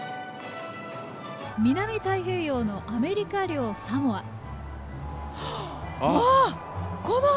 南太平洋のアメリカ領サモア。